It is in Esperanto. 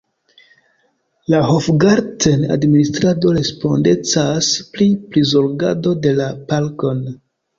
La Hofgarten-administrado respondecas pri prizorgado de la parkon.